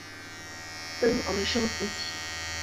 奔王的升级棋。